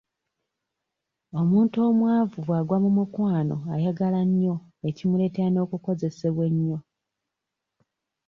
Omuntu omwavu bw'agwa mu mukwano ayagala nnyo ekimuleetera n'okukozesebwa ennyo.